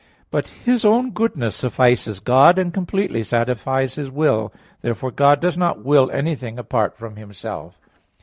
But His own goodness suffices God, and completely satisfies His will. Therefore God does not will anything apart from Himself.